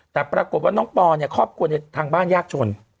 แต่ปรากฏว่าน้องปอเนี่ยครอบครัวในทางบ้านยากชน